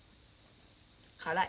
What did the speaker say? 辛い。